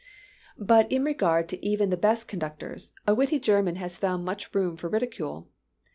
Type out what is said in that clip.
But in regard to even the best conductors, a witty German has found much room for ridicule.